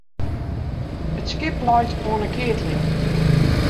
It skip leit oan 't keatling.